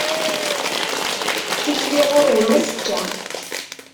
Tikli ɣur-wen azekka.